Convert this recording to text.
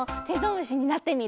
むしになってみる？